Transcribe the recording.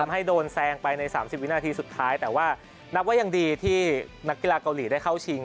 ให้โดนแซงไปใน๓๐วินาทีสุดท้ายแต่ว่านับว่ายังดีที่นักกีฬาเกาหลีได้เข้าชิง